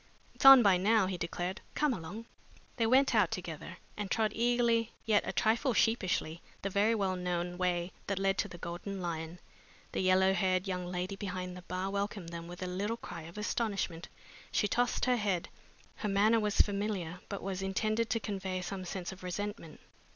"It's on by now," he declared. "Come along." They went out together and trod eagerly yet a trifle sheepishly the very well known way that led to the Golden Lion. The yellow haired young lady behind the bar welcomed them with a little cry of astonishment. She tossed her head. Her manner was familiar but was intended to convey some sense of resentment.